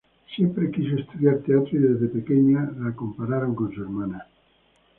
Siempre quiso estudiar teatro, y desde pequeña la compararon con su hermana.